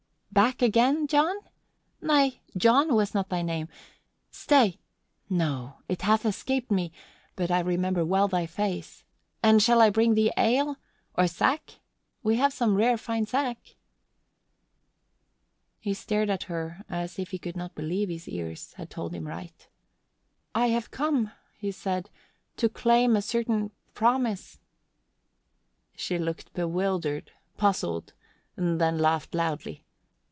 "Back again, John? Nay, John was not thy name. Stay! No, it hath escaped me, but I remember well thy face. And shall I bring thee ale? Or sack? We have some rare fine sack." He stared at her as if he could not believe his ears had told him right. "I have come," he said, "to claim a certain promise " She looked bewildered, puzzled, then laughed loudly.